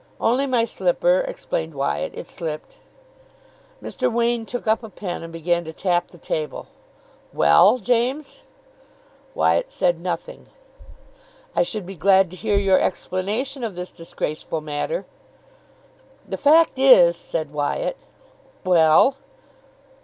"Only my slipper," explained Wyatt. "It slipped." Mr. Wain took up a pen, and began to tap the table. "Well, James?" Wyatt said nothing. "I should be glad to hear your explanation of this disgraceful matter." "The fact is " said Wyatt. "Well?"